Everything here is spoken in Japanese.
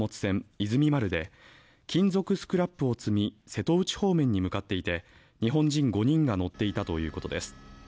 「いずみ丸」で金属スクラップを積み瀬戸内方面に向かっていて日本人５人が乗っていたということです